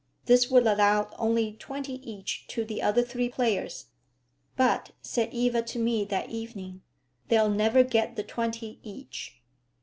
This would allow only twenty each to the other three players. "But," said Eva to me that evening, "they'll never get the twenty each."